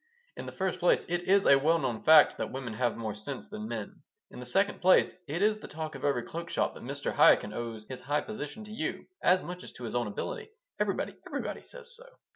In the first place, it is a well known fact that women have more sense than men. In the second place, it is the talk of every cloak shop that Mr. Chaikin owes his high position to you as much as to his own ability. Everybody, everybody says so."